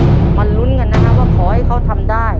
มาลุ้นกันนะครับว่าขอให้เขาทำได้